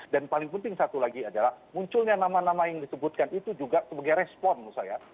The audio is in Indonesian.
dan paling penting satu lagi adalah munculnya nama nama yang disebutkan itu juga sebagai respon menurut saya